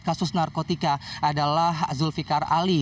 kasus narkotika adalah zulfiqar ali